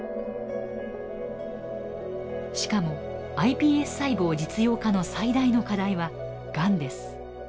しかもｉＰＳ細胞実用化の最大の課題はがんです。